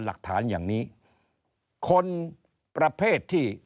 หลักฐานอย่างนี้คนประเภทที่